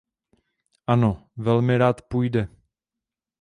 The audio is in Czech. Ano, velmi rád půjde!